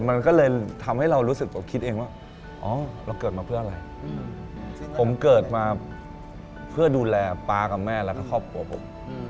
มันก็เลยทำให้เรารู้สึกคิดเองว่าอ๋อเราเกิดมาเพื่ออะไรผมเกิดมาเพื่อดูแลป๊ากับแม่แล้วก็ครอบครัวผม